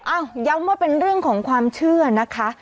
ย้ำว่าเป็นเรื่องของความเชื่อนะคะ